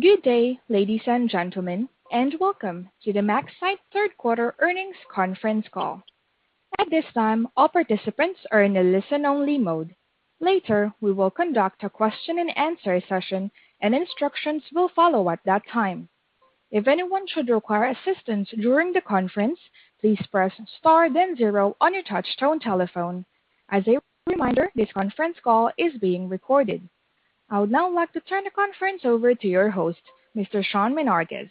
Good day, ladies and gentlemen, and welcome to the MaxCyte third quarter earnings conference call. At this time, all participants are in a listen-only mode. Later, we will conduct a question and answer session, and instructions will follow at that time. If anyone should require assistance during the conference, please press star then zero on your touch-tone telephone. As a reminder, this conference call is being recorded. I would now like to turn the conference over to your host, Mr. Sean Menarguez.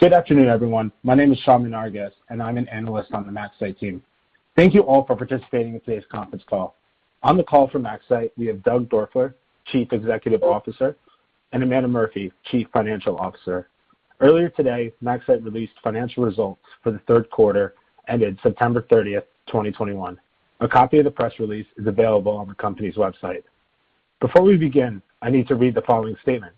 Good afternoon, everyone. My name is Sean Menarguez, and I'm an analyst on the MaxCyte team. Thank you all for participating in today's conference call. On the call from MaxCyte, we have Doug Doerfler, Chief Executive Officer, and Amanda Murphy, Chief Financial Officer. Earlier today, MaxCyte released financial results for the third quarter ended September 30th, 2021. A copy of the press release is available on the company's website. Before we begin, I need to read the following statement.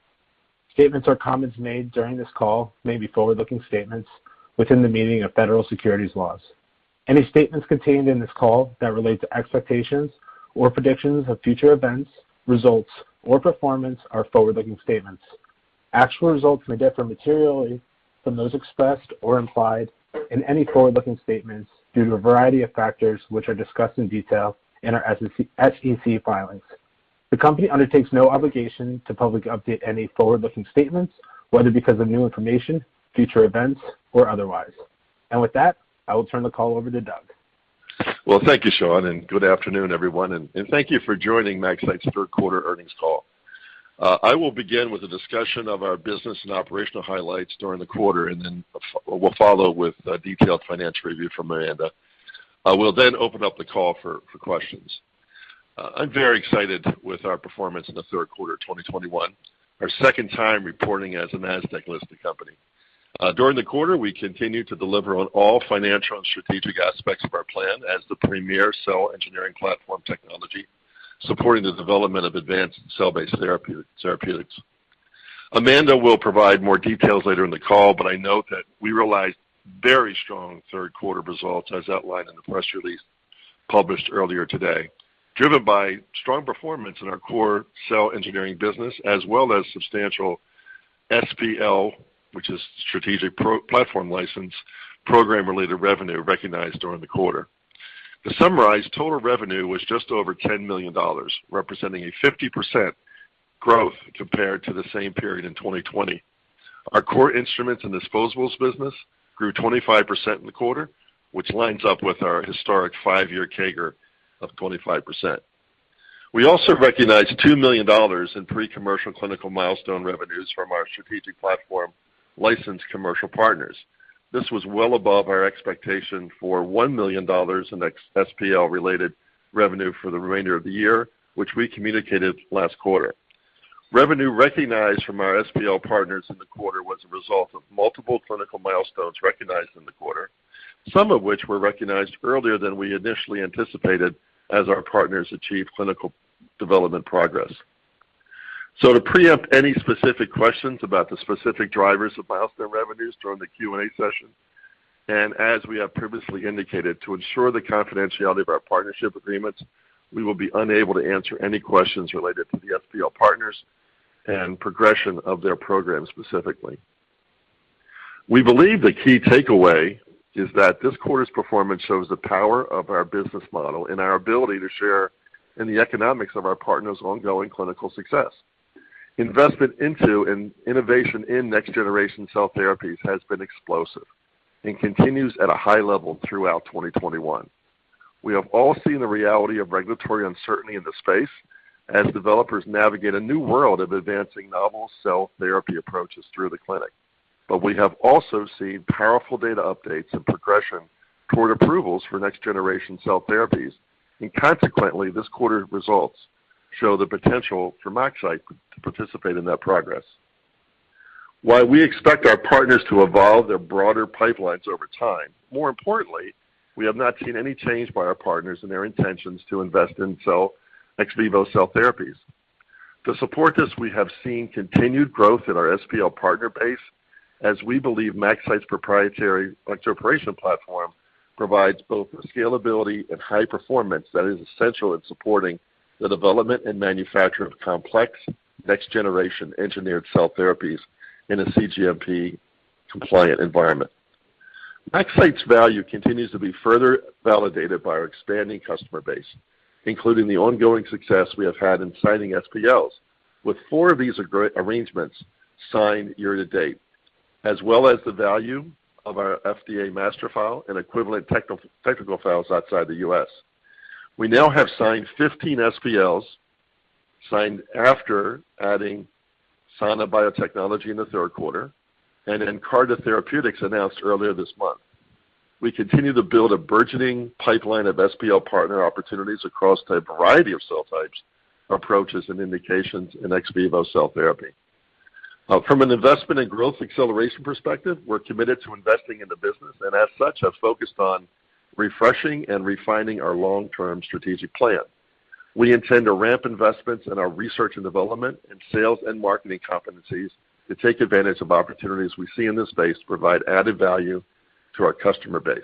Statements or comments made during this call may be forward-looking statements within the meaning of federal securities laws. Any statements contained in this call that relate to expectations or predictions of future events, results, or performance are forward-looking statements. Actual results may differ materially from those expressed or implied in any forward-looking statements due to a variety of factors, which are discussed in detail in our SEC filings. The company undertakes no obligation to publicly update any forward-looking statements, whether because of new information, future events, or otherwise. With that, I will turn the call over to Doug. Well, thank you, Sean, and good afternoon, everyone, and thank you for joining MaxCyte's third quarter earnings call. I will begin with a discussion of our business and operational highlights during the quarter, and then we'll follow with a detailed financial review from Amanda. We'll open up the call for questions. I'm very excited with our performance in the third quarter of 2021, our second time reporting as a Nasdaq-listed company. During the quarter, we continued to deliver on all financial and strategic aspects of our plan as the premier cell engineering platform technology supporting the development of advanced cell-based therapeutics. Amanda will provide more details later in the call, but I note that we realized very strong third quarter results, as outlined in the press release published earlier today, driven by strong performance in our core cell engineering business, as well as substantial SPL, which is strategic platform license, program-related revenue recognized during the quarter. To summarize, total revenue was just over $10 million, representing a 50% growth compared to the same period in 2020. Our core instruments and disposables business grew 25% in the quarter, which lines up with our historic five-year CAGR of 25%. We also recognized $2 million in pre-commercial clinical milestone revenues from our strategic platform license commercial partners. This was well above our expectation for $1 million in SPL-related revenue for the remainder of the year, which we communicated last quarter. Revenue recognized from our SPL partners in the quarter was a result of multiple clinical milestones recognized in the quarter, some of which were recognized earlier than we initially anticipated as our partners achieved clinical development progress. To preempt any specific questions about the specific drivers of milestone revenues during the Q&A session, and as we have previously indicated, to ensure the confidentiality of our partnership agreements, we will be unable to answer any questions related to the SPL partners and progression of their program specifically. We believe the key takeaway is that this quarter's performance shows the power of our business model and our ability to share in the economics of our partners' ongoing clinical success. Investment into and innovation in next-generation cell therapies has been explosive and continues at a high level throughout 2021. We have all seen the reality of regulatory uncertainty in the space as developers navigate a new world of advancing novel cell therapy approaches through the clinic. We have also seen powerful data updates and progression toward approvals for next-generation cell therapies, and consequently, this quarter's results show the potential for MaxCyte to participate in that progress. While we expect our partners to evolve their broader pipelines over time, more importantly, we have not seen any change by our partners in their intentions to invest in ex vivo cell therapies. To support this, we have seen continued growth in our SPL partner base, as we believe MaxCyte's proprietary electroporation platform provides both the scalability and high performance that is essential in supporting the development and manufacture of complex next-generation engineered cell therapies in a cGMP-compliant environment. MaxCyte's value continues to be further validated by our expanding customer base, including the ongoing success we have had in signing SPLs, with four of these arrangements signed year-to-date, as well as the value of our FDA master file and equivalent technical files outside the U.S. We now have signed 15 SPLs, signed after adding Sana Biotechnology in the third quarter and Nkarta announced earlier this month. We continue to build a burgeoning pipeline of SPL partner opportunities across a variety of cell types, approaches, and indications in ex vivo cell therapy. From an investment and growth acceleration perspective, we're committed to investing in the business and, as such, have focused on refreshing and refining our long-term strategic plan. We intend to ramp investments in our research and development and sales and marketing competencies to take advantage of opportunities we see in this space to provide added value to our customer base.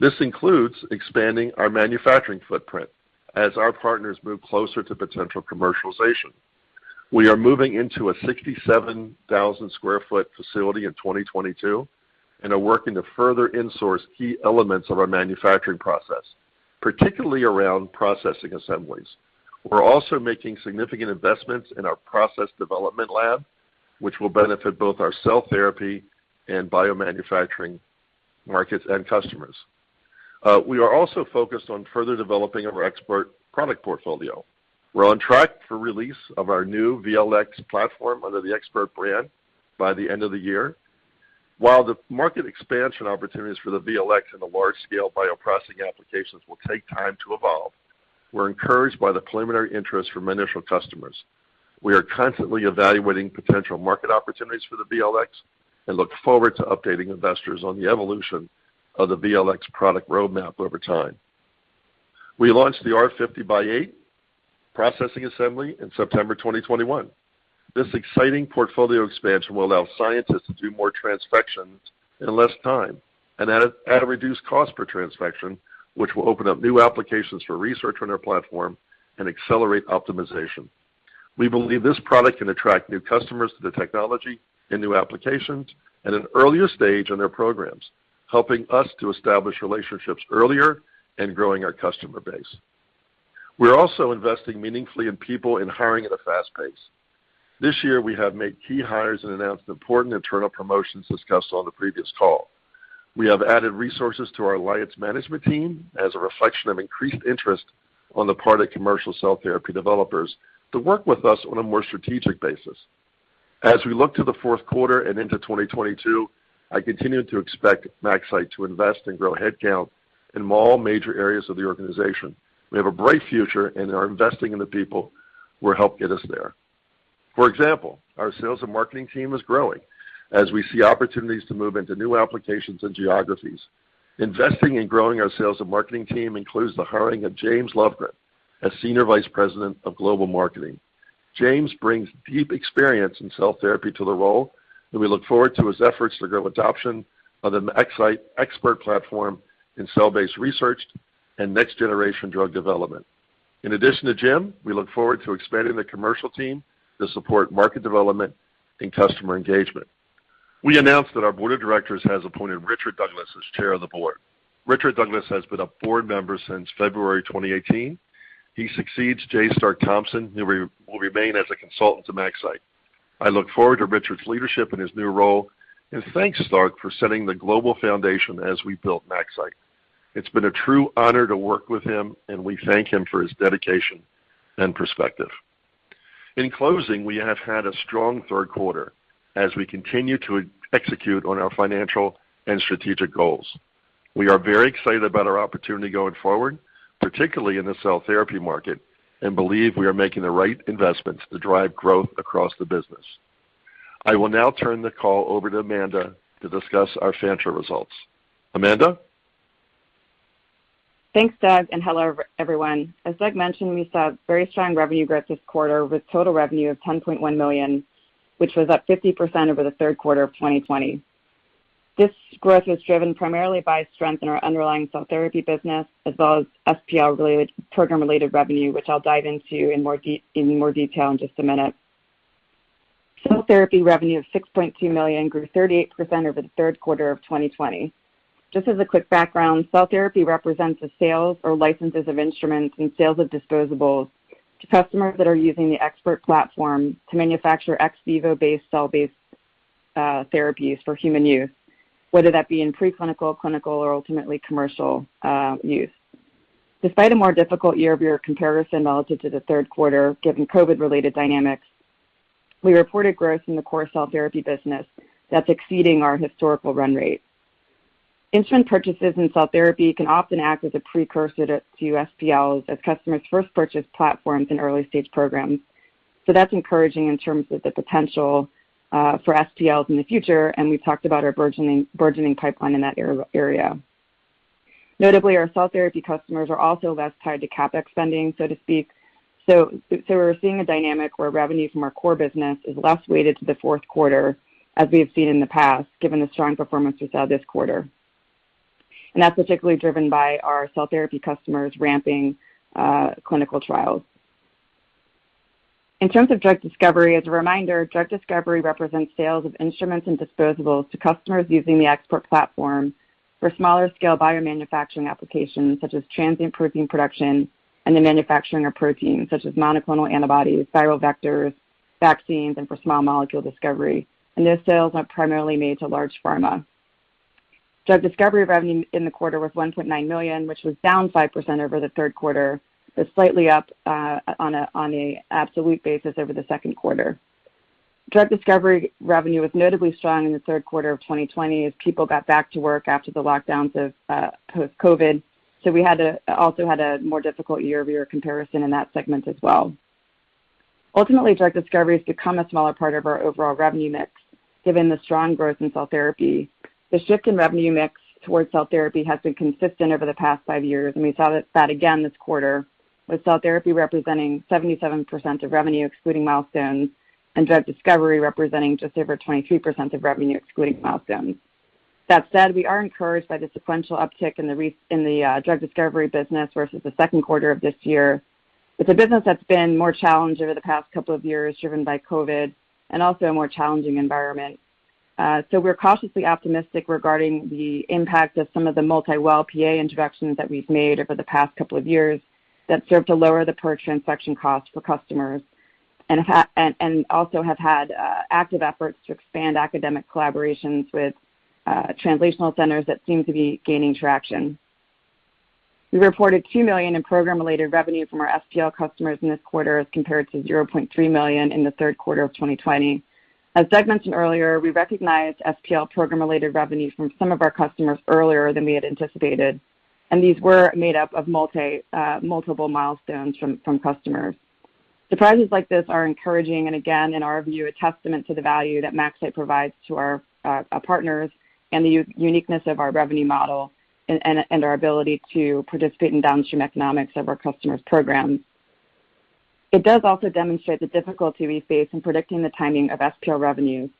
This includes expanding our manufacturing footprint as our partners move closer to potential commercialization. We are moving into a 67,000 sq ft facility in 2022 and are working to further insource key elements of our manufacturing process, particularly around processing assemblies. We're also making significant investments in our process development lab, which will benefit both our cell therapy and biomanufacturing markets and customers. We are also focused on further developing our ExPERT product portfolio. We're on track for release of our new VLx platform under the ExPERT brand by the end of the year. While the market expansion opportunities for the VLx in the large-scale bioprocessing applications will take time to evolve, we're encouraged by the preliminary interest from initial customers. We are constantly evaluating potential market opportunities for the VLx and look forward to updating investors on the evolution of the VLx product roadmap over time. We launched the R-50x8 processing assembly in September 2021. This exciting portfolio expansion will allow scientists to do more transfections in less time and at a reduced cost per transfection, which will open up new applications for research on our platform and accelerate optimization. We believe this product can attract new customers to the technology and new applications at an earlier stage in their programs, helping us to establish relationships earlier and growing our customer base. We're also investing meaningfully in people and hiring at a fast pace. This year, we have made key hires and announced important internal promotions discussed on the previous call. We have added resources to our alliance management team as a reflection of increased interest on the part of commercial cell therapy developers to work with us on a more strategic basis. As we look to the fourth quarter and into 2022, I continue to expect MaxCyte to invest and grow headcount in all major areas of the organization. We have a bright future and are investing in the people who will help get us there. For example, our sales and marketing team is growing as we see opportunities to move into new applications and geographies. Investing in growing our sales and marketing team includes the hiring of James Lovgren as Senior Vice President of Global Marketing. James brings deep experience in cell therapy to the role. We look forward to his efforts to grow adoption of the MaxCyte ExPERT platform in cell-based research and next-generation drug development. In addition to Jim, we look forward to expanding the commercial team to support market development and customer engagement. We announced that our Board of Directors has appointed Richard Douglas as Chair of the Board. Richard Douglas has been a board member since February 2018. He succeeds J. Stark Thompson, who will remain as a consultant to MaxCyte. I look forward to Richard's leadership in his new role and thank Stark for setting the global foundation as we built MaxCyte. It's been a true honor to work with him. We thank him for his dedication and perspective. In closing, we have had a strong third quarter as we continue to execute on our financial and strategic goals. We are very excited about our opportunity going forward, particularly in the cell therapy market, and believe we are making the right investments to drive growth across the business. I will now turn the call over to Amanda to discuss our financial results. Amanda? Thanks, Doug. Hello, everyone. As Doug mentioned, we saw very strong revenue growth this quarter with total revenue of $10.1 million, which was up 50% over the third quarter of 2020. This growth was driven primarily by strength in our underlying cell therapy business as well as SPL program-related revenue, which I'll dive into in more detail in just a minute. Cell therapy revenue of $6.2 million grew 38% over the third quarter of 2020. Just as a quick background, cell therapy represents the sales or licenses of instruments and sales of disposables to customers that are using the ExPERT platform to manufacture ex vivo-based cell-based therapies for human use, whether that be in pre-clinical, clinical, or ultimately commercial use. Despite a more difficult year-over-year comparison relative to the third quarter, given COVID-related dynamics, we reported growth in the core cell therapy business that's exceeding our historical run rate. Instrument purchases in cell therapy can often act as a precursor to SPLs as customers first purchase platforms in early-stage programs. That's encouraging in terms of the potential for SPLs in the future, and we've talked about our burgeoning pipeline in that area. Notably, our cell therapy customers are also less tied to CapEx funding, so to speak. We're seeing a dynamic where revenue from our core business is less weighted to the fourth quarter, as we have seen in the past, given the strong performance we saw this quarter. That's particularly driven by our cell therapy customers ramping clinical trials. In terms of drug discovery, as a reminder, drug discovery represents sales of instruments and disposables to customers using the ExPERT platform for smaller-scale biomanufacturing applications such as transient protein production and the manufacturing of proteins such as monoclonal antibodies, viral vectors, vaccines, and for small molecule discovery. Those sales are primarily made to large pharma. Drug discovery revenue in the quarter was $1.9 million, which was down 5% over the third quarter, slightly up on an absolute basis over the second quarter. Drug discovery revenue was notably strong in the third quarter of 2020 as people got back to work after the lockdowns of COVID. We also had a more difficult year-over-year comparison in that segment as well. Ultimately, drug discovery has become a smaller part of our overall revenue mix, given the strong growth in cell therapy. The shift in revenue mix towards cell therapy has been consistent over the past five years. We saw that again this quarter, with cell therapy representing 77% of revenue excluding milestones, and drug discovery representing just over 23% of revenue excluding milestones. That said, we are encouraged by the sequential uptick in the drug discovery business versus the second quarter of this year. It's a business that's been more challenged over the past couple of years, driven by COVID, and also a more challenging environment. We're cautiously optimistic regarding the impact of some of the multi-well PA introductions that we've made over the past couple of years that serve to lower the per-transaction cost for customers, and also have had active efforts to expand academic collaborations with translational centers that seem to be gaining traction. We reported $2 million in program-related revenue from our SPL customers in this quarter as compared to $0.3 million in the third quarter of 2020. As Doug mentioned earlier, we recognized SPL program-related revenue from some of our customers earlier than we had anticipated, and these were made up of multiple milestones from customers. Surprises like this are encouraging and again, in our view, a testament to the value that MaxCyte provides to our partners and the uniqueness of our revenue model, and our ability to participate in downstream economics of our customers' programs. It does also demonstrate the difficulty we face in predicting the timing of SPL revenues,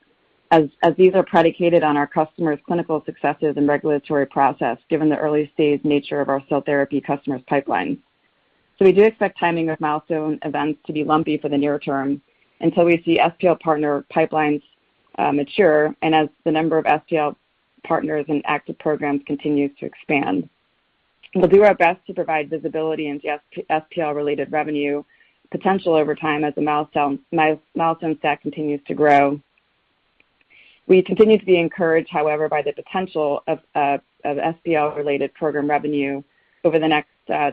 as these are predicated on our customers' clinical successes and regulatory process, given the early-stage nature of our cell therapy customers' pipelines. We do expect timing of milestone events to be lumpy for the near term until we see SPL partner pipelines mature and as the number of SPL partners and active programs continues to expand. We'll do our best to provide visibility into SPL-related revenue potential over time as the milestone stack continues to grow. We continue to be encouraged, however, by the potential of SPL-related program revenue over the next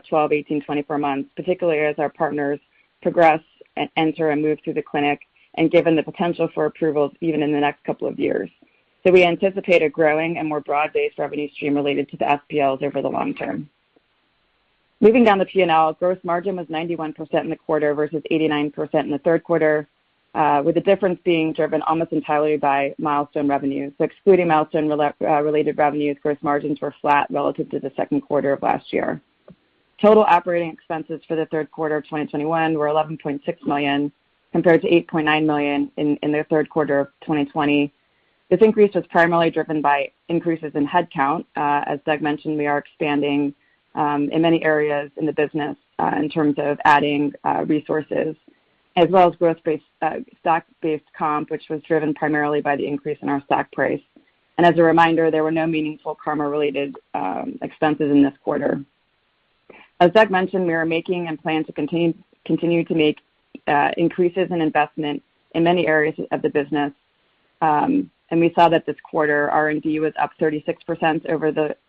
12, 18, 24 months, particularly as our partners progress, enter, and move through the clinic and given the potential for approvals even in the next couple of years. We anticipate a growing and more broad-based revenue stream related to the SPLs over the long term. Moving down the P&L, gross margin was 91% in the quarter versus 89% in the third quarter, with the difference being driven almost entirely by milestone revenue. Excluding milestone-related revenues, gross margins were flat relative to the second quarter of last year. Total operating expenses for the third quarter of 2021 were $11.6 million, compared to $8.9 million in the third quarter of 2020. This increase was primarily driven by increases in head count. As Doug mentioned, we are expanding in many areas in the business in terms of adding resources, as well as stock-based comp, which was driven primarily by the increase in our stock price. As a reminder, there were no meaningful CARMA-related expenses in this quarter. As Doug mentioned, we are making and plan to continue to make increases in investment in many areas of the business. We saw that this quarter R&D was up 36%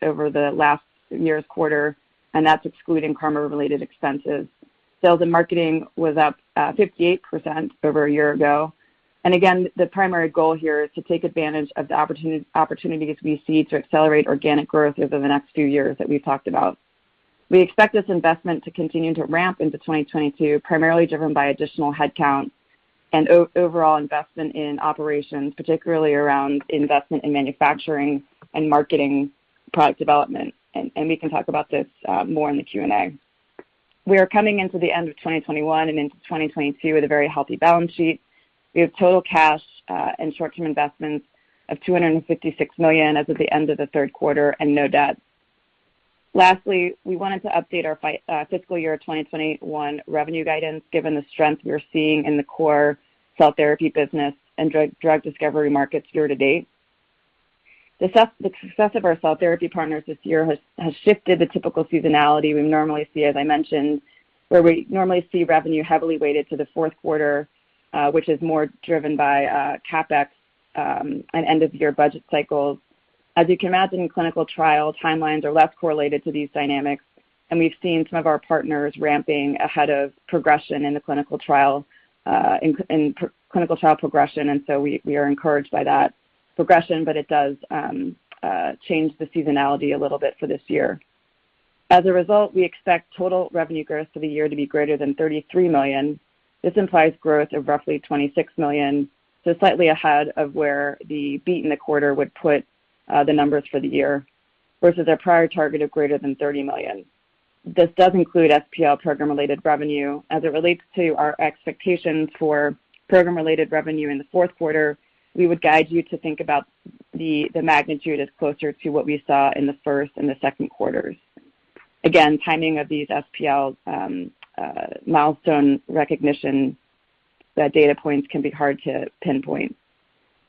over the last year's quarter, and that's excluding CARMA-related expenses. Sales and marketing was up 58% over a year ago. Again, the primary goal here is to take advantage of the opportunities we see to accelerate organic growth over the next few years that we've talked about. We expect this investment to continue to ramp into 2022, primarily driven by additional headcount and overall investment in operations, particularly around investment in manufacturing and marketing product development. We can talk about this more in the Q&A. We are coming into the end of 2021 and into 2022 with a very healthy balance sheet. We have total cash and short-term investments of $256 million as of the end of the third quarter and no debt. Lastly, we wanted to update our fiscal year 2021 revenue guidance given the strength we are seeing in the core cell therapy business and drug discovery markets year to date. The success of our cell therapy partners this year has shifted the typical seasonality we normally see, as I mentioned, where we normally see revenue heavily weighted to the fourth quarter, which is more driven by CapEx and end-of-year budget cycles. As you can imagine, clinical trial timelines are less correlated to these dynamics, and we've seen some of our partners ramping ahead of progression in the clinical trial progression, and so we are encouraged by that progression, but it does change the seasonality a little bit for this year. As a result, we expect total revenue growth for the year to be greater than $33 million. This implies growth of roughly $26 million, so slightly ahead of where the beat in the quarter would put the numbers for the year, versus our prior target of greater than $30 million. This does include SPL program-related revenue. As it relates to our expectations for program-related revenue in the fourth quarter, we would guide you to think about the magnitude as closer to what we saw in the first and second quarters. Again, timing of these SPL milestone recognition data points can be hard to pinpoint.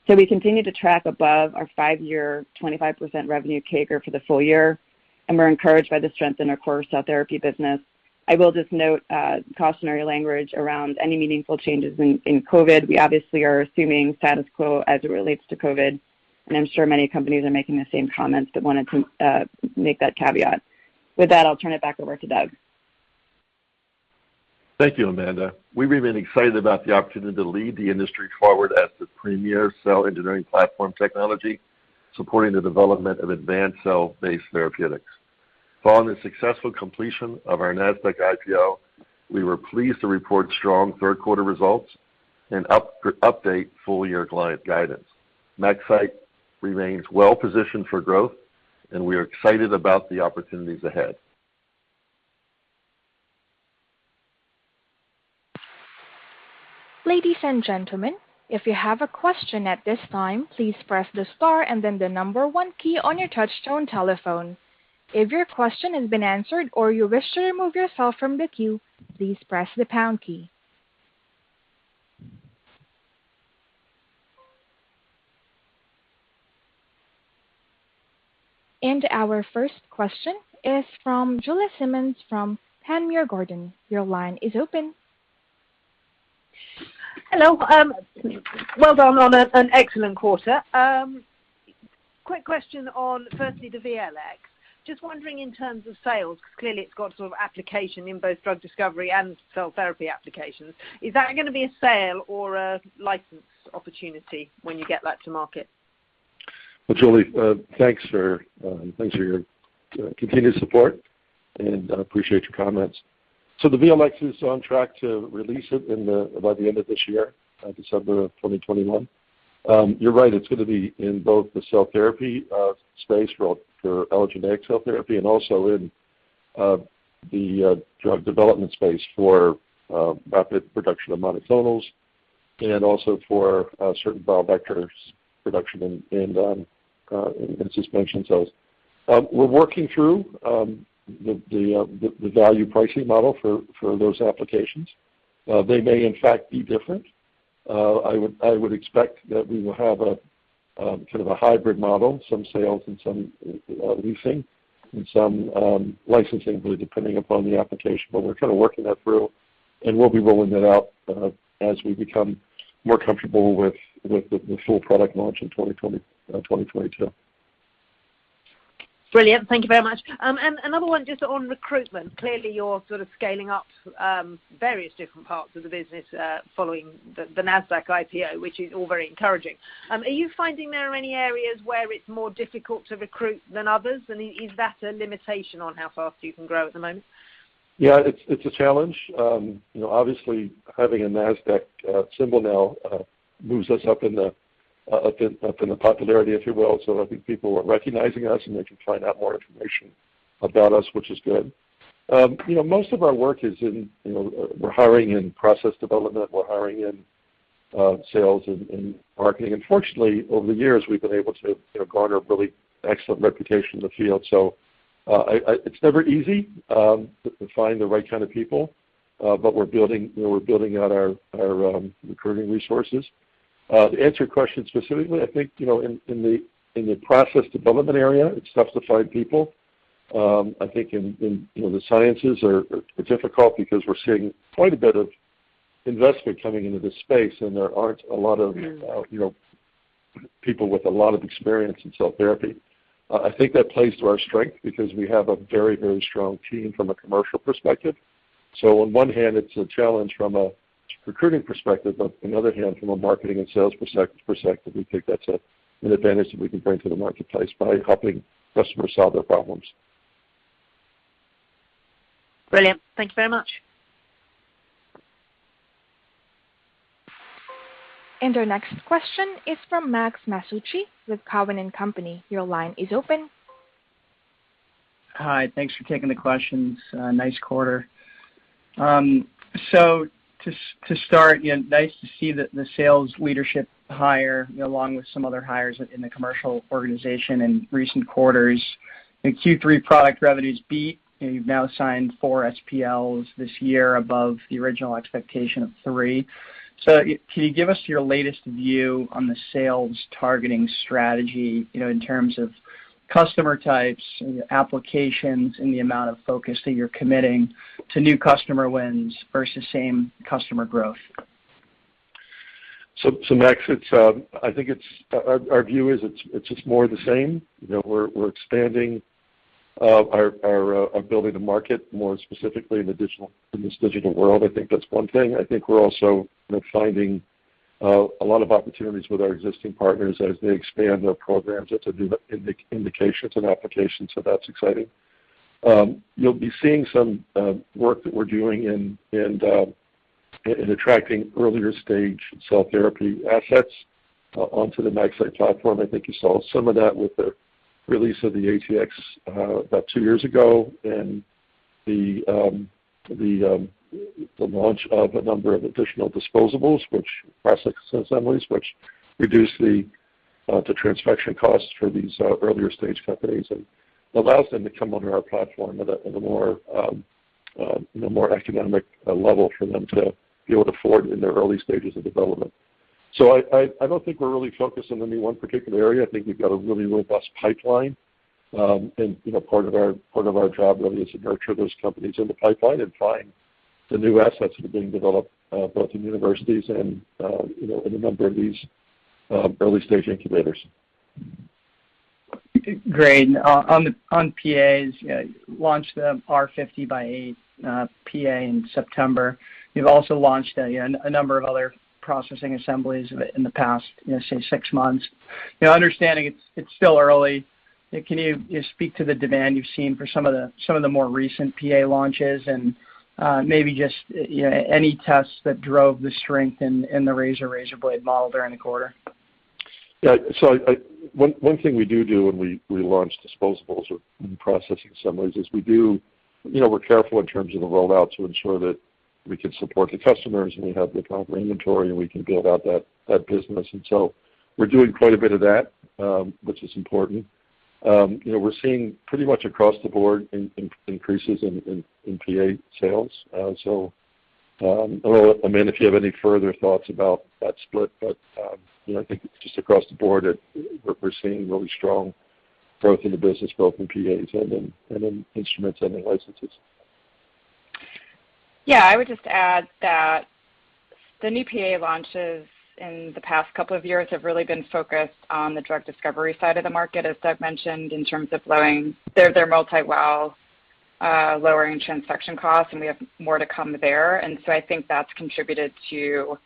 We continue to track above our five-year 25% revenue CAGR for the full year, and we're encouraged by the strength in our core cell therapy business. I will just note cautionary language around any meaningful changes in COVID. We obviously are assuming status quo as it relates to COVID, and I'm sure many companies are making the same comments, but wanted to make that caveat. With that, I'll turn it back over to Doug. Thank you, Amanda. We remain excited about the opportunity to lead the industry forward as the premier cell engineering platform technology, supporting the development of advanced cell-based therapeutics. Following the successful completion of our Nasdaq IPO, we were pleased to report strong third quarter results and update full-year guidance. MaxCyte remains well positioned for growth, and we are excited about the opportunities ahead. Ladies and gentlemen, if you have a question at this time, please press the star and then the number one key on your touch-tone phone. If your question has been answered or you wish to remove yourself from the queue, please press the pound key. Our first question is from Julie Simmonds from Panmure Gordon. Your line is open. Hello. Well done on an excellent quarter. Quick question on firstly, the VLx. Just wondering in terms of sales, because clearly it's got sort of application in both drug discovery and cell therapy applications. Is that going to be a sale or a license opportunity when you get that to market? Well, Julie, thanks for your continued support, and I appreciate your comments. The VLx is on track to release it by the end of this year, December of 2021. You're right, it's going to be in both the cell therapy space for allogeneic cell therapy and also in the drug development space for rapid production of monoclonals and also for certain viral vectors production in suspension cells. We're working through the value pricing model for those applications. They may, in fact, be different. I would expect that we will have a sort of a hybrid model, some sales and some leasing and some licensing really depending upon the application, but we're kind of working that through, and we'll be rolling it out as we become more comfortable with the full product launch in 2022. Brilliant. Thank you very much. Another one just on recruitment. Clearly, you're sort of scaling up various different parts of the business following the Nasdaq IPO, which is all very encouraging. Are you finding there are any areas where it's more difficult to recruit than others, and is that a limitation on how fast you can grow at the moment? It's a challenge. Obviously, having a Nasdaq symbol now moves us up in the popularity, if you will. I think people are recognizing us, and they can find out more information about us, which is good. Most of our work is in, we're hiring in process development, we're hiring in sales and marketing. Fortunately, over the years, we've been able to garner a really excellent reputation in the field. It's never easy to find the right kind of people, but we're building out our recruiting resources. To answer your question specifically, I think, in the process development area, it's tough to find people. I think in the sciences are difficult because we're seeing quite a bit of investment coming into this space, and there aren't a lot of people with a lot of experience in cell therapy. I think that plays to our strength because we have a very, very strong team from a commercial perspective. On one hand, it's a challenge from a recruiting perspective, but on the other hand, from a marketing and sales perspective, we think that's an advantage that we can bring to the marketplace by helping customers solve their problems. Brilliant. Thank you very much. Our next question is from Max Masucci with Cowen and Company. Your line is open. Hi, thanks for taking the questions. Nice quarter. To start, nice to see that the sales leadership hire along with some other hires in the commercial organization in recent quarters. In Q3 product revenues beat, you've now signed four SPLs this year above the original expectation of three. Can you give us your latest view on the sales targeting strategy, in terms of customer types and applications and the amount of focus that you're committing to new customer wins versus same customer growth? Max, I think our view is it's just more of the same. We're expanding our ability to market more specifically in this digital world. I think that's one thing. I think we're also finding a lot of opportunities with our existing partners as they expand their programs into new indications and applications, so that's exciting. You'll be seeing some work that we're doing in attracting earlier-stage cell therapy assets onto the MaxCyte platform. I think you saw some of that with the release of the ATx about two years ago and the launch of a number of additional disposables, which processing assemblies, which reduce the transfection costs for these earlier-stage companies and allows them to come onto our platform at a more economic level for them to be able to afford in their early stages of development. I don't think we're really focused on any one particular area. I think we've got a really robust pipeline, and part of our job really is to nurture those companies in the pipeline and find the new assets that are being developed both in universities and in a number of these early-stage incubators. Great. On PAs, you launched the R-50x8 PA in September. You've also launched a number of other processing assemblies in the past, say six months. Understanding it's still early, can you speak to the demand you've seen for some of the more recent PA launches, and maybe just any tests that drove the strength in the razor-razorblade model during the quarter? Yeah. One thing we do when we launch disposables or processing assemblies is we're careful in terms of the rollout to ensure that we can support the customers, and we have the proper inventory, and we can build out that business. We're doing quite a bit of that, which is important. We're seeing pretty much across the board increases in PA sales. Amanda, if you have any further thoughts about that split, but I think it's just across the board that we're seeing really strong growth in the business, both in PAs and in instruments and in licenses. I would just add that the new PA launches in the past couple of years have really been focused on the drug discovery side of the market, as Doug mentioned, in terms of their multi-well, lowering transaction costs, and we have more to come there. I think that's contributed to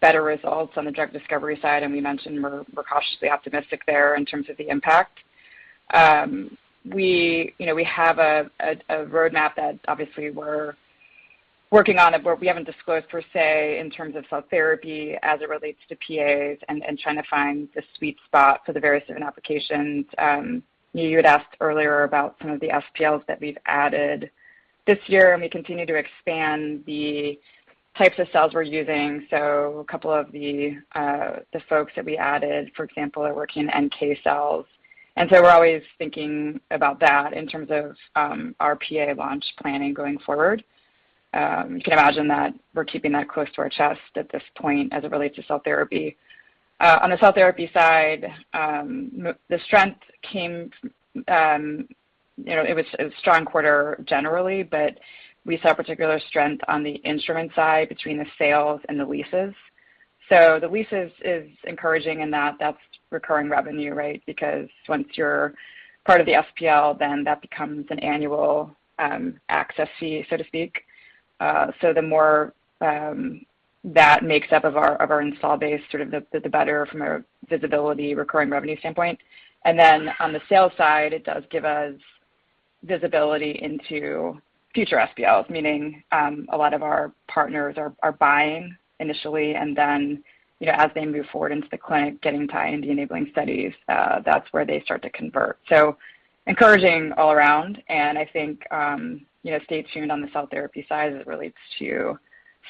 better results on the drug discovery side, and we mentioned we're cautiously optimistic there in terms of the impact. We have a roadmap that obviously we're working on, but we haven't disclosed per se in terms of cell therapy as it relates to PAs and trying to find the sweet spot for the various different applications. You had asked earlier about some of the SPLs that we've added this year, and we continue to expand the types of cells we're using. A couple of the folks that we added, for example, are working NK cells, and so we're always thinking about that in terms of our PA launch planning going forward. You can imagine that we're keeping that close to our chest at this point as it relates to cell therapy. On the cell therapy side, it was a strong quarter generally, but we saw particular strength on the instrument side between the sales and the leases. The leases is encouraging in that's recurring revenue, right? Once you're part of the SPL, then that becomes an annual access fee, so to speak. The more that makes up of our install base, sort of the better from a visibility recurring revenue standpoint. On the sales side, it does give us visibility into future SPLs, meaning a lot of our partners are buying initially, as they move forward into the clinic, getting tied into enabling studies, that's where they start to convert. Encouraging all around, I think stay tuned on the cell therapy side as it relates to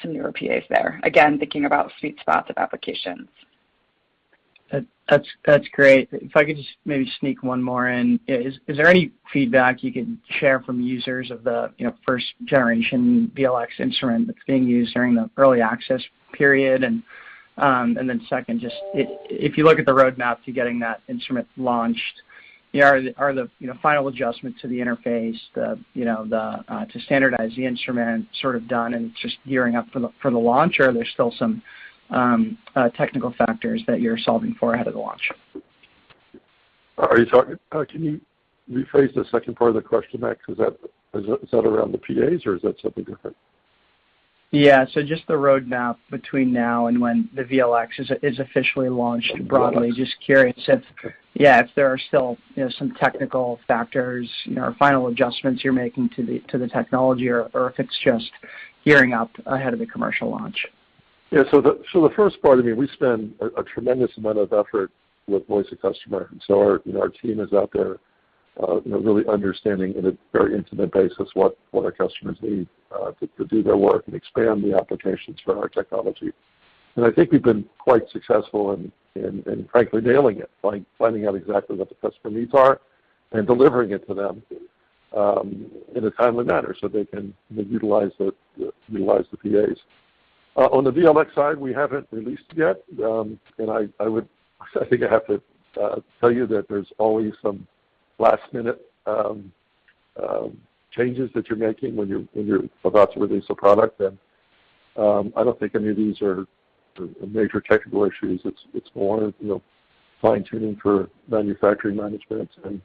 some newer PAs there. Again, thinking about sweet spots of applications. That's great. If I could just maybe sneak one more in. Is there any feedback you can share from users of the first-generation VLx instrument that's being used during the early access period? Second, just if you look at the roadmap to getting that instrument launched, are the final adjustment to the interface to standardize the instrument sort of done and just gearing up for the launch? Or are there still some technical factors that you're solving for ahead of the launch? Can you rephrase the second part of the question, Max? Is that around the PAs or is that something different? Yeah. Just the roadmap between now and when the VLx is officially launched broadly. Okay. Yeah, if there are still some technical factors or final adjustments you're making to the technology or if it's just gearing up ahead of the commercial launch. The first part, we spend a tremendous amount of effort with voice of customer, and so our team is out there really understanding in a very intimate basis what our customers need to do their work and expand the applications for our technology. I think we've been quite successful in frankly nailing it, finding out exactly what the customer needs are and delivering it to them in a timely manner so they can utilize the PAs. On the VLx side, we haven't released yet. I think I have to tell you that there's always some last-minute changes that you're making when you're about to release a product, and I don't think any of these are major technical issues. It's more fine-tuning for manufacturing management and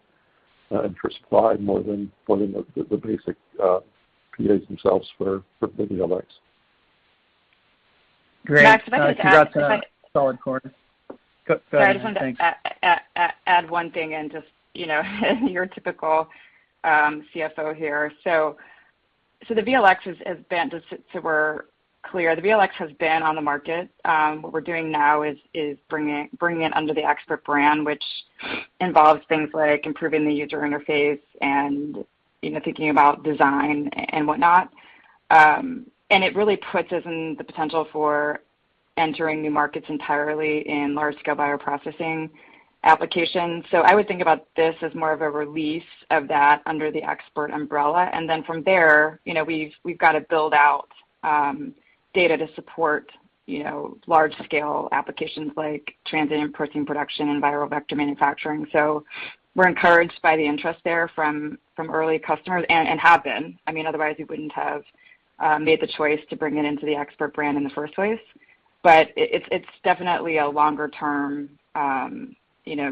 for supply more than the basic PAs themselves for the VLx. Great. Max, if I could just add. You got a solid quarter. Go ahead. Thanks. Sorry, I just wanted to add one thing and just your typical CFO here. The VLx has been, just so we're clear, the VLx has been on the market. What we're doing now is bringing it under the ExPERT brand, which involves things like improving the user interface and thinking about design and whatnot. It really puts us in the potential for entering new markets entirely in large-scale bioprocessing applications. I would think about this as more of a release of that under the ExPERT umbrella. From there, we've got to build out data to support large-scale applications like transient protein production and viral vector manufacturing. We're encouraged by the interest there from early customers and have been, otherwise we wouldn't have made the choice to bring it into the ExPERT brand in the first place. It's definitely a longer-term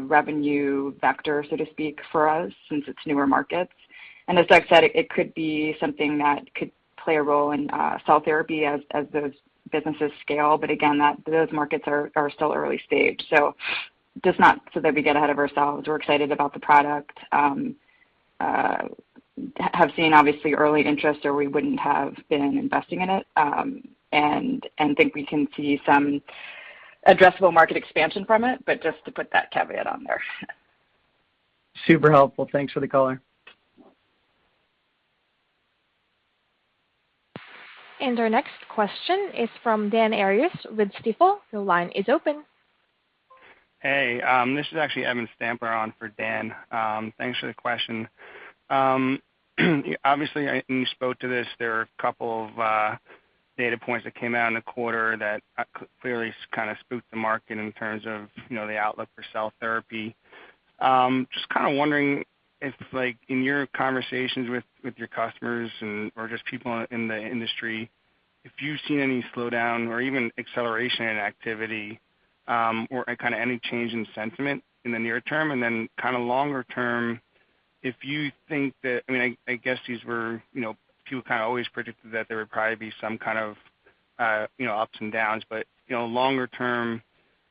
revenue vector, so to speak, for us since it's newer markets. As Doug said, it could be something that could play a role in cell therapy as those businesses scale. Again, those markets are still early-stage. Just not so that we get ahead of ourselves. We're excited about the product, have seen obviously early interest or we wouldn't have been investing in it, and think we can see some addressable market expansion from it, but just to put that caveat on there. Super helpful. Thanks for the color. Our next question is from Dan Arias with Stifel. Your line is open. Hey, this is actually Evan Stampler on for Dan. Thanks for the question. Obviously, and you spoke to this, there are a couple of data points that came out in the quarter that clearly kind of spooked the market in terms of the outlook for cell therapy. Just kind of wondering if, in your conversations with your customers or just people in the industry, if you've seen any slowdown or even acceleration in activity, or any change in sentiment in the near term. Longer term, I guess people kind of always predicted that there would probably be some kind of ups and downs. Longer term,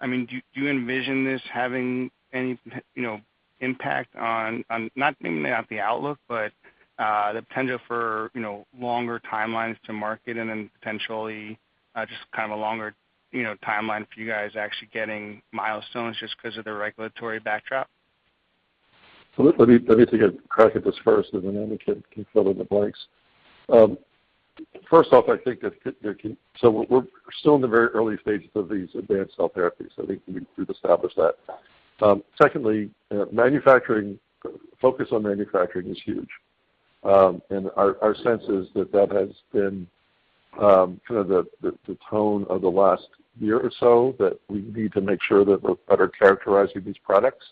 do you envision this having any impact on, maybe not the outlook, but the potential for longer timelines to market and then potentially just kind of a longer timeline for you guys actually getting milestones just because of the regulatory backdrop? Let me take a crack at this first, and then Amanda can fill in the blanks. First off, we're still in the very early stages of these advanced cell therapies. I think we've established that. Secondly, focus on manufacturing is huge. Our sense is that that has been the tone of the last year or so, that we need to make sure that we're better characterizing these products,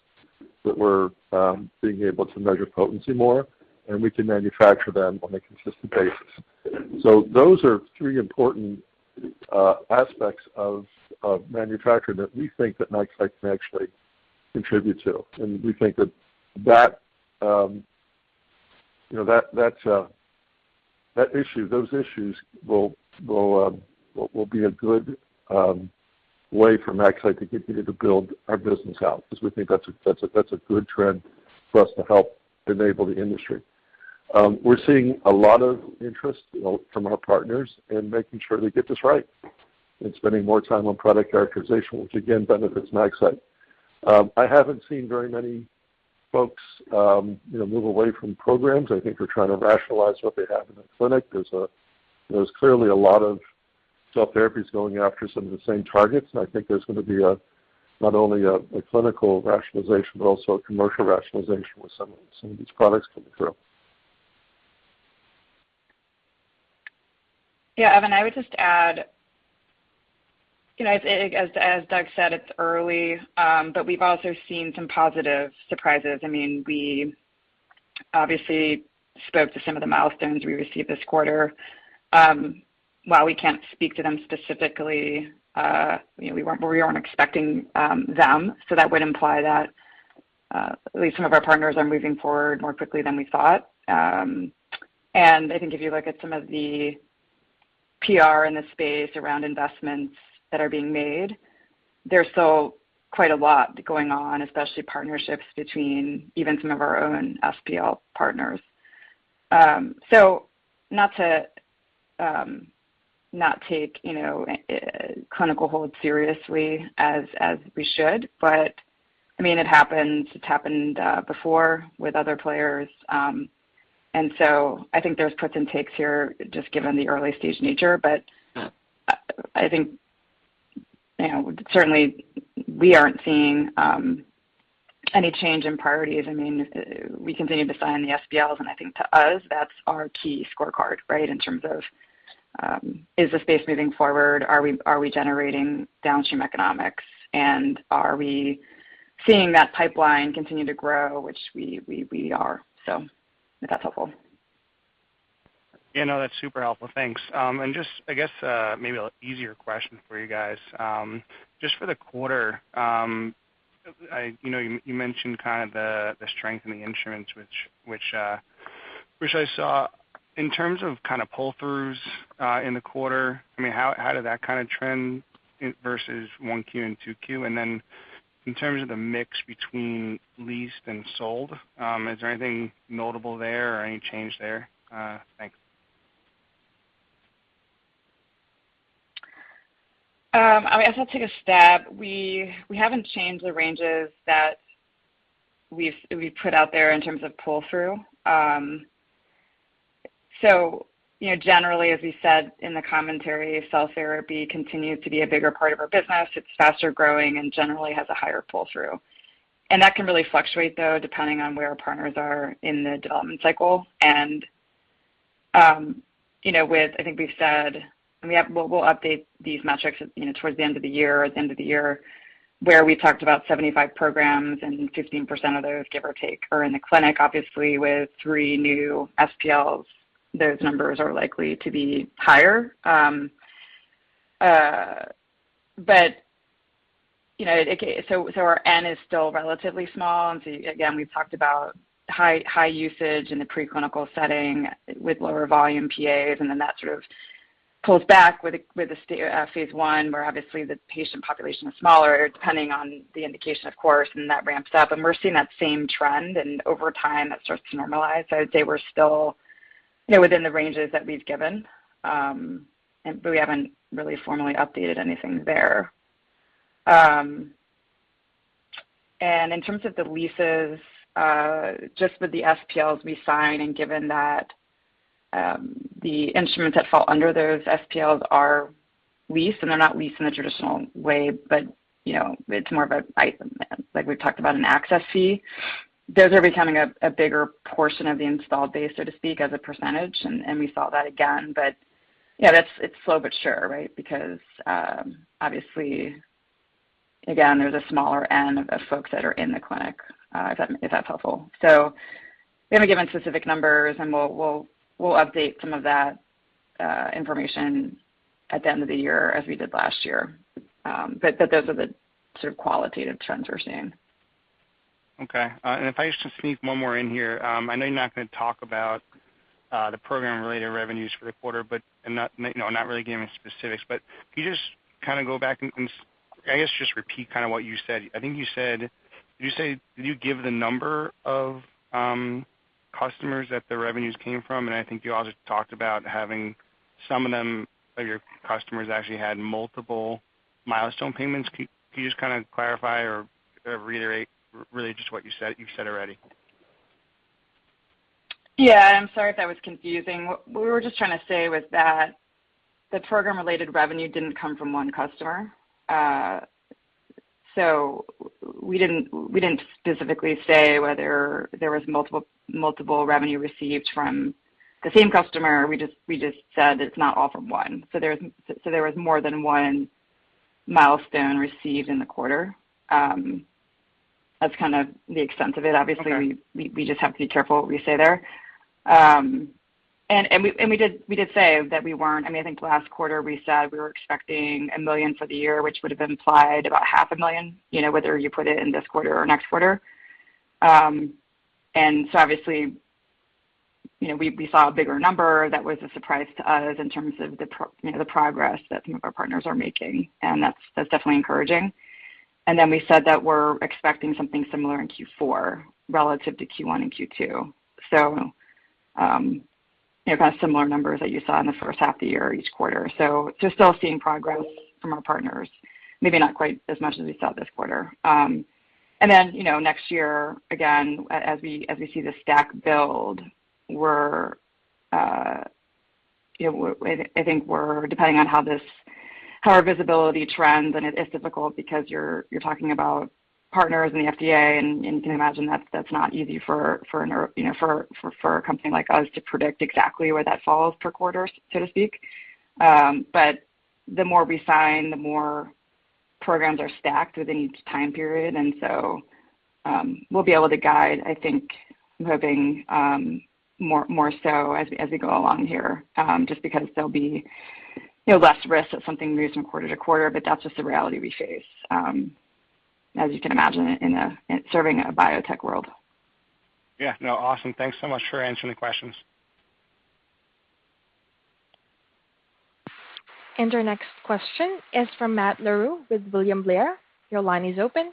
that we're being able to measure potency more, and we can manufacture them on a consistent basis. Those are three important aspects of manufacturing that we think that MaxCyte can actually contribute to, and we think that those issues will be a good way for MaxCyte to continue to build our business out, because we think that's a good trend for us to help enable the industry. We're seeing a lot of interest from our partners in making sure they get this right and spending more time on product characterization, which again, benefits MaxCyte. I haven't seen very many folks move away from programs. I think they're trying to rationalize what they have in the clinic. There's clearly a lot of cell therapies going after some of the same targets, and I think there's going to be not only a clinical rationalization, but also a commercial rationalization with some of these products coming through. Yeah, Evan, I would just add, as Doug said, it's early, we've also seen some positive surprises. We obviously spoke to some of the milestones we received this quarter. While we can't speak to them specifically, we weren't expecting them. That would imply that at least some of our partners are moving forward more quickly than we thought. I think if you look at some of the PR in the space around investments that are being made, there's still quite a lot going on, especially partnerships between even some of our own SPL partners. Not to not take clinical hold seriously, as we should, it's happened before with other players. I think there's puts and takes here just given the early-stage nature. Yeah. I think certainly we aren't seeing any change in priorities. We continue to sign the SPLs, I think to us, that's our key scorecard, right? In terms of is the space moving forward, are we generating downstream economics, and are we seeing that pipeline continue to grow, which we are. If that's helpful. Yeah, no, that's super helpful. Thanks. Just, I guess, maybe a easier question for you guys. Just for the quarter, you mentioned kind of the strength in the instruments which I saw. In terms of pull-throughs in the quarter, how did that kind of trend versus 1Q and 2Q? In terms of the mix between leased and sold, is there anything notable there or any change there? Thanks. I guess I'll take a stab. We haven't changed the ranges that we've put out there in terms of pull-through. Generally, as we said in the commentary, cell therapy continues to be a bigger part of our business. It's faster-growing and generally has a higher pull-through. That can really fluctuate, though, depending on where our partners are in the development cycle. I think we've said we'll update these metrics towards the end of the year where we talked about 75 programs and 15% of those, give or take, are in the clinic. Obviously, with three new SPLs, those numbers are likely to be higher. Our N is still relatively small. Again, we've talked about high usage in the preclinical setting with lower-volume PAs, and then that sort of pulls back with the phase I where obviously the patient population is smaller, depending on the indication, of course, and that ramps up. We're seeing that same trend, and over time, that starts to normalize. I would say we're still within the ranges that we've given. We haven't really formally updated anything there. In terms of the leases, just with the SPLs we sign and given that the instruments that fall under those SPLs are leased and they're not leased in a traditional way. It's more of an item, like we've talked about an access fee. Those are becoming a bigger portion of the installed base, so to speak, as a percentage. We saw that again. Yeah, it's slow but sure, right? Obviously, again, there's a smaller N of folks that are in the clinic. If that's helpful. We haven't given specific numbers and we'll update some of that information at the end of the year as we did last year. Those are the sort of qualitative trends we're seeing. Okay. If I just sneak one more in here. I know you're not going to talk about the program-related revenues for the quarter, but not really giving specifics, but can you just go back and, I guess, just repeat what you said. Did you give the number of customers that the revenues came from? I think you also talked about having some of them, of your customers actually had multiple milestone payments. Can you just clarify or reiterate really just what you said already? Yeah. I'm sorry if that was confusing. What we were just trying to say was that the program-related revenue didn't come from one customer. We didn't specifically say whether there was multiple revenue received from the same customer. We just said it's not all from one. There was more than one milestone received in the quarter. That's kind of the extent of it. Okay. Obviously, we just have to be careful what we say there. We did say that we weren't—I think last quarter, we said we were expecting $1 million for the year, which would've implied about half a million, whether you put it in this quarter or next quarter. Obviously, we saw a bigger number that was a surprise to us in terms of the progress that some of our partners are making. That's definitely encouraging. We said that we're expecting something similar in Q4 relative to Q1 and Q2. Kind of similar numbers that you saw in the first half of the year, each quarter. Just still seeing progress from our partners, maybe not quite as much as we saw this quarter. Next year, again, as we see the stack build, I think we're depending on how our visibility trends, and it is difficult because you're talking about partners and the FDA, and you can imagine that's not easy for a company like us to predict exactly where that falls per quarter, so to speak. The more we sign, the more programs are stacked within each time period. We'll be able to guide, I think, moving more so as we go along here, just because there'll be less risk of something moving from quarter to quarter. That's just the reality we face, as you can imagine in serving a biotech world. Yeah. No. Awesome. Thanks so much for answering the questions. Our next question is from Matt Larew with William Blair. Your line is open.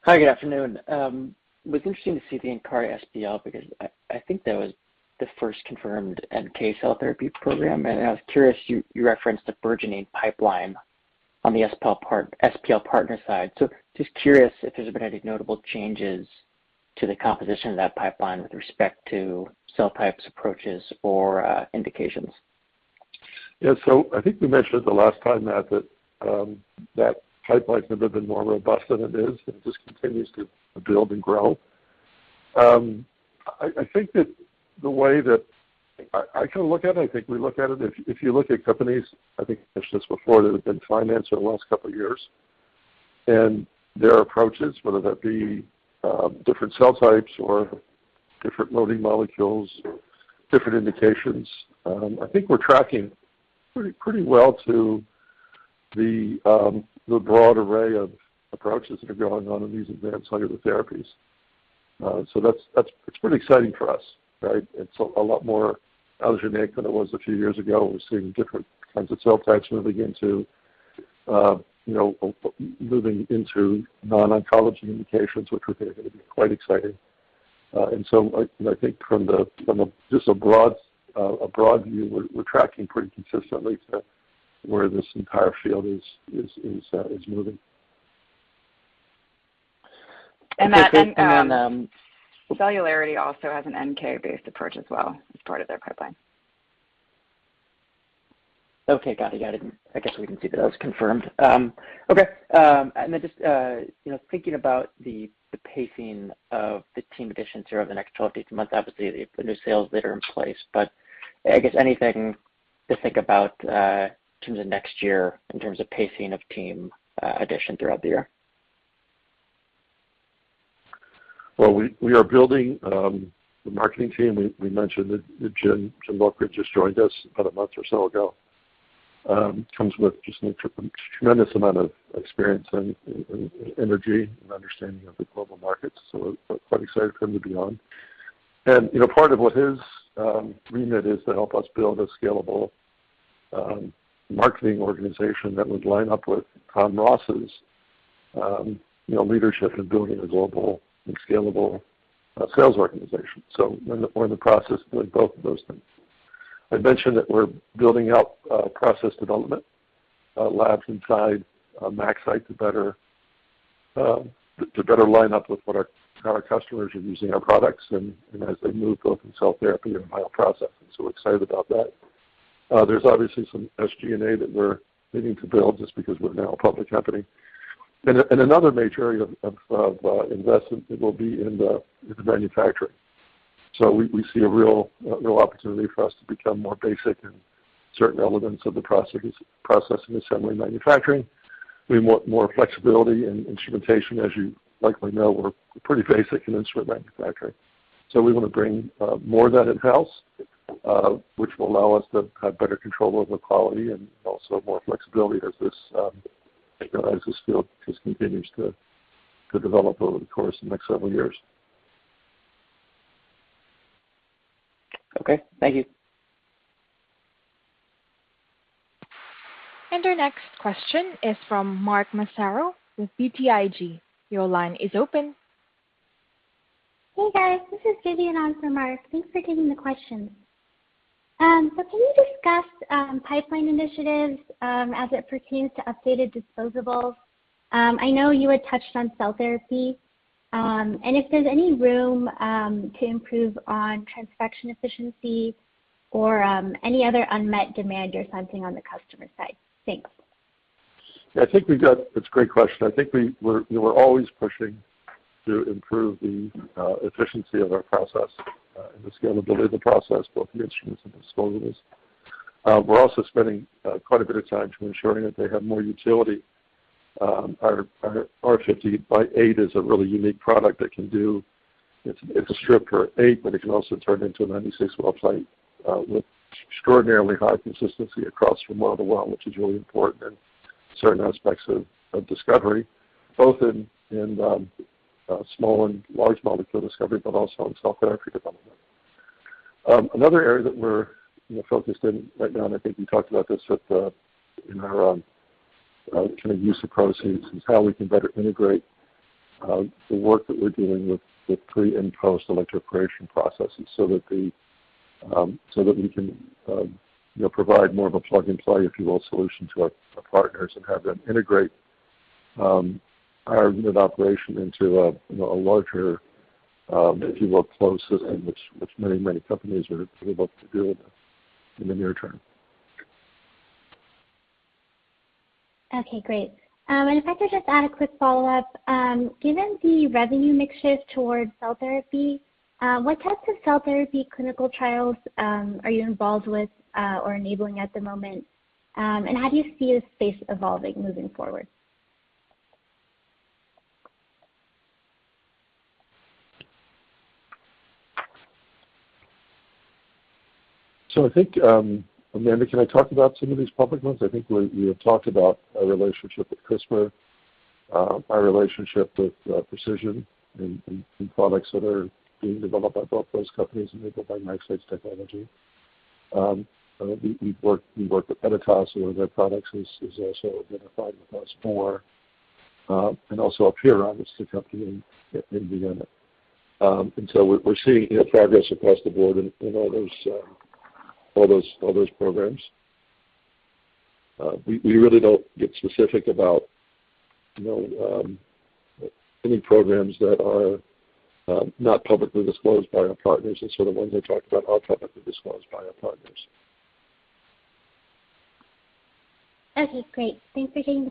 Hi, good afternoon. It was interesting to see the Nkarta SPL because I think that was the first confirmed NK cell therapy program. I was curious, you referenced a burgeoning pipeline on the SPL partner side. Just curious if there's been any notable changes to the composition of that pipeline with respect to cell types, approaches, or indications. I think we mentioned the last time, Matt, that pipeline could have been more robust than it is, and it just continues to build and grow. I think that the way that I look at it, I think we look at it, if you look at companies, I think I mentioned this before, that have been financed in the last couple of years, and their approaches, whether that be different cell types or different loading molecules or different indications. I think we're tracking pretty well to the broad array of approaches that are going on in these advanced cellular therapies. That's pretty exciting for us, right? It's a lot more allogeneic than it was a few years ago. We're seeing different kinds of cell types moving into non-oncology indications, which we think are going to be quite exciting. I think from just a broad view, we're tracking pretty consistently to where this entire field is moving. Matt— Okay. Celularity also has an NK-based approach as well as part of their pipeline. Okay. Got it. I guess we can see that that was confirmed. Okay. Just thinking about the pacing of the team additions here over the next 12-18 months, obviously the new sales that are in place, but I guess anything to think about in terms of next year, in terms of pacing of team addition throughout the year? We are building the marketing team. We mentioned that Jim Lovgren just joined us about a month or so ago. Comes with just a tremendous amount of experience and energy and understanding of the global markets, quite excited for him to be on. Part of what his remit is to help us build a scalable marketing organization that would line up with Tom Ross's leadership in building a global and scalable sales organization. We're in the process of doing both of those things. I mentioned that we're building out process development labs inside MaxCyte to better line up with how our customers are using our products and as they move both in cell therapy and bioprocessing. We're excited about that. There's obviously some SG&A that we're needing to build just because we're now a public company. Another major area of investment will be in the manufacturing. We see a real opportunity for us to become more basic in certain elements of the process and assembly manufacturing. We want more flexibility in instrumentation. As you likely know, we're pretty basic in instrument manufacturing. We want to bring more of that in-house, which will allow us to have better control over quality and also more flexibility as this field just continues to develop over the course of the next several years. Okay. Thank you. Our next question is from Mark Massaro with BTIG. Your line is open. Hey, guys. This is Vivian on for Mark. Thanks for taking the question. Can you discuss pipeline initiatives as it pertains to updated disposables? I know you had touched on cell therapy. If there's any room to improve on transfection efficiency or any other unmet demand you're sensing on the customer side. Thanks. Yeah, it's a great question. I think we're always pushing to improve the efficiency of our process and the scalability of the process, both the instruments and disposables. We're also spending quite a bit of time to ensuring that they have more utility. Our R-50x8 is a really unique product. It's a strip for eight, but it can also turn into a 96-well plate, with extraordinarily high consistency across from well to well, which is really important in certain aspects of discovery, both in small and large molecule discovery, but also in cell therapy development. Another area that we're focused in right now, and I think we talked about this in our kind of use of proceeds, is how we can better integrate the work that we're doing with the pre- and post-electroporation processes so that we can provide more of a plug and play, if you will, solution to our partners and have them integrate our operation into a larger, if you will, flow system, which many companies are looking to do in the near term. Okay, great. If I could just add a quick follow-up. Given the revenue mix shift towards cell therapy, what types of cell therapy clinical trials are you involved with or enabling at the moment? How do you see the space evolving moving forward? I think, Amanda, can I talk about some of these public ones? I think we have talked about our relationship with CRISPR, our relationship with Precision, and products that are being developed by both those companies enabled by MaxCyte's technology. We work with Editas, one of their products is also identified with us more, and also APEIRON, obviously, a company in Vienna. We're seeing progress across the board in all those programs. We really don't get specific about any programs that are not publicly disclosed by our partners, and so the ones I talked about are publicly disclosed by our partners. Okay, great. Thanks for taking the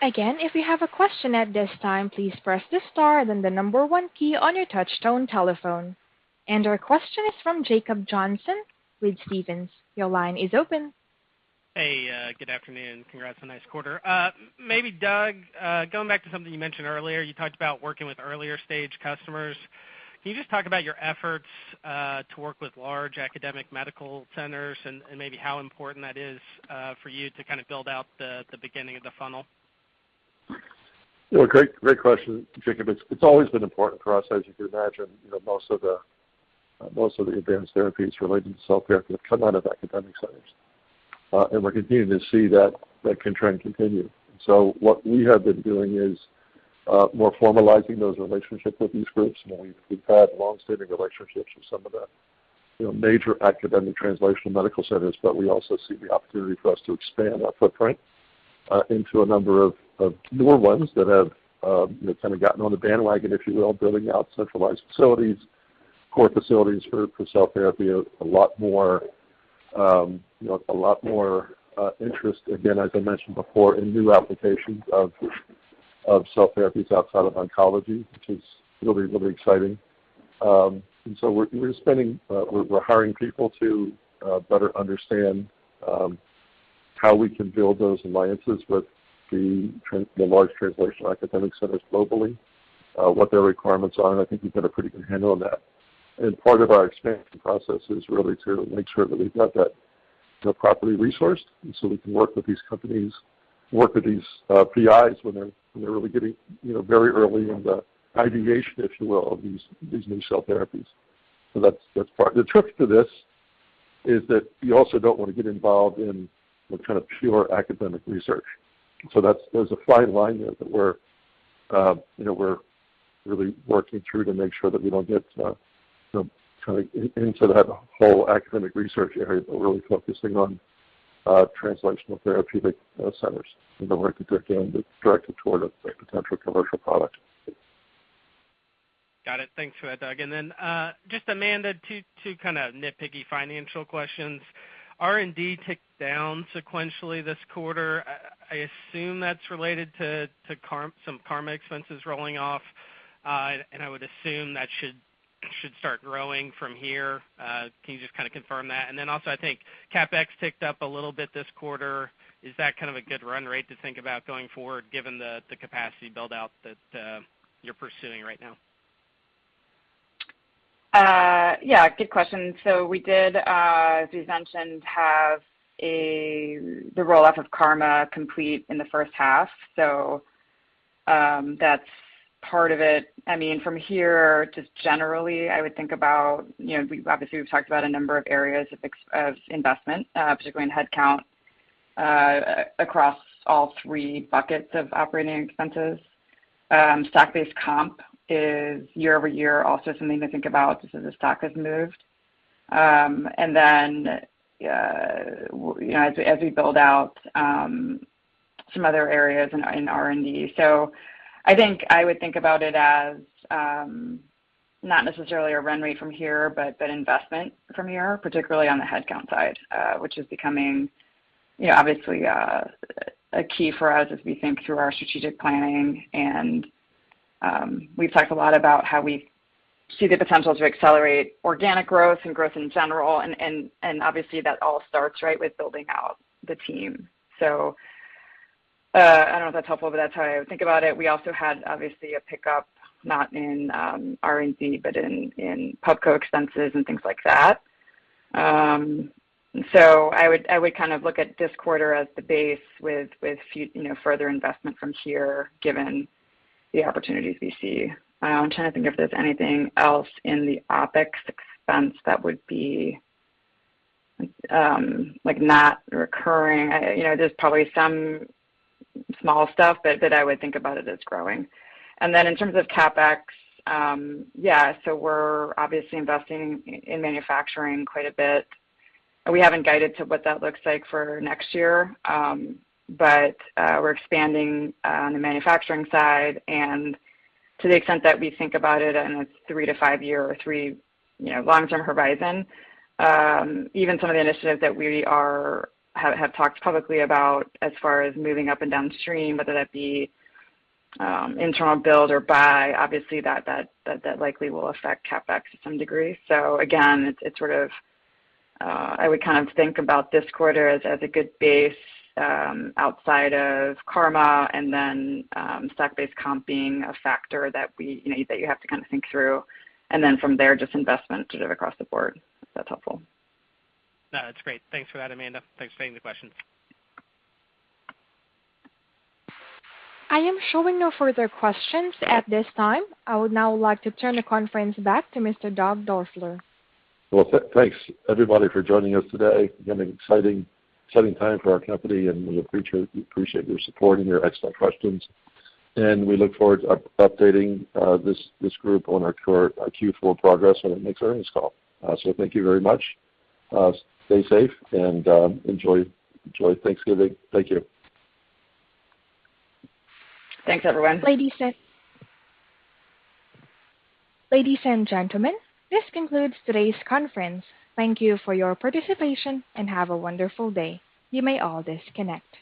question. If you have a question at this time, please press the star, then the one key on your touch-tone telephone. Our question is from Jacob Johnson with Stephens. Your line is open. Hey, good afternoon. Congrats on nice quarter. Maybe Doug, going back to something you mentioned earlier, you talked about working with earlier-stage customers. Can you just talk about your efforts to work with large academic medical centers and maybe how important that is for you to kind of build out the beginning of the funnel? Great question, Jacob. It's always been important for us, as you can imagine, most of the advanced therapies related to cell therapy have come out of academic centers. We're continuing to see that trend continue. What we have been doing is more formalizing those relationships with these groups, and we've had long-standing relationships with some of the major academic translational medical centers, but we also see the opportunity for us to expand our footprint into a number of more ones that have kind of gotten on the bandwagon, if you will, building out centralized facilities, core facilities for cell therapy, a lot more interest, again, as I mentioned before, in new applications of cell therapies outside of oncology, which is really, really exciting. We're hiring people to better understand how we can build those alliances with the large translational academic centers globally, what their requirements are, and I think we've got a pretty good handle on that. Part of our expansion process is really to make sure that we've got that properly resourced and so we can work with these companies, work with these PIs when they're really getting very early in the ideation, if you will, of these new cell therapies. That's part. The trick to this is that you also don't want to get involved in the kind of pure academic research. There's a fine line there that we're really working through to make sure that we don't get into that whole academic research area, but really focusing on translational therapeutic centers and the work that they're doing that's directed toward a potential commercial product. Got it. Thanks for that, Doug. Just Amanda, two kind of nitpicky financial questions. R&D ticked down sequentially this quarter. I assume that's related to some CARMA expenses rolling off. I would assume that should start growing from here. Can you just kind of confirm that? Also, I think CapEx ticked up a little bit this quarter. Is that kind of a good run rate to think about going forward given the capacity build-out that you're pursuing right now? Yeah, good question. We did, as we've mentioned, have the roll-off of CARMA complete in the first half. That's part of it. From here, just generally, I would think about, obviously we've talked about a number of areas of investment, particularly in headcount, across all three buckets of operating expenses. Stock-based comp is year-over-year also something to think about, just as the stock has moved. As we build out some other areas in R&D. I think I would think about it as not necessarily a run rate from here, but an investment from here, particularly on the headcount side, which is becoming obviously, a key for us as we think through our strategic planning. We've talked a lot about how we see the potential to accelerate organic growth and growth in general, and obviously that all starts, right, with building out the team. I don't know if that's helpful, but that's how I would think about it. We also had, obviously, a pickup, not in R&D, but in PubCo expenses and things like that. I would kind of look at this quarter as the base with further investment from here, given the opportunities we see. I'm trying to think if there's anything else in the OpEx expense that would be not recurring. There's probably some small stuff, but that I would think about it as growing. In terms of CapEx, yeah, we're obviously investing in manufacturing quite a bit. We haven't guided to what that looks like for next year. We're expanding on the manufacturing side and to the extent that we think about it in a three- to five-year or long-term horizon. Even some of the initiatives that we have talked publicly about as far as moving up and downstream, whether that be internal build or buy, obviously that likely will affect CapEx to some degree. Again, I would think about this quarter as a good base outside of CARMA and then stock-based comp, a factor that you have to think through. From there, just investment sort of across the board, if that's helpful. No, that's great. Thanks for that, Amanda. Thanks for taking the questions. I am showing no further questions at this time. I would now like to turn the conference back to Mr. Doug Doerfler. Well, thanks everybody for joining us today. An exciting time for our company. We appreciate your support and your excellent questions. We look forward to updating this group on our Q4 progress on our next earnings call. Thank you very much. Stay safe and enjoy Thanksgiving. Thank you. Thanks, everyone. Ladies and gentlemen, this concludes today's conference. Thank you for your participation, and have a wonderful day. You may all disconnect.